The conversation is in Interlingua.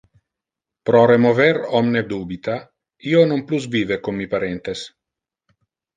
Pro remover omne dubita: io non plus vive con mi parentes.